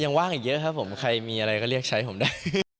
ว่างอีกเยอะครับผมใครมีอะไรก็เรียกใช้ผมได้